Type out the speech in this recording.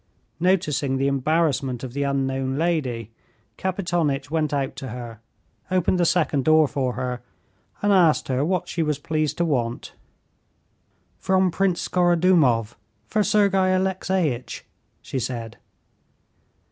Noticing the embarrassment of the unknown lady, Kapitonitch went out to her, opened the second door for her, and asked her what she was pleased to want. "From Prince Skorodumov for Sergey Alexeitch," she said.